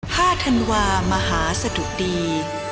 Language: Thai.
ห้าธันวามหาสดุตรี